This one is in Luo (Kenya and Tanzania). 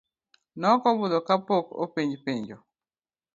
Nokobudho ka pok openjo penjo.